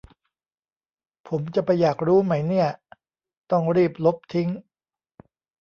ผมจะไปอยากรู้ไหมเนี่ย ต้องรีบลบทิ้ง